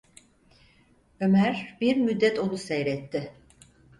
Ömer bir müddet onu seyretti.